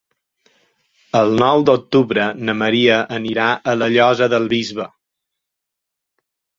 El nou d'octubre na Maria anirà a la Llosa del Bisbe.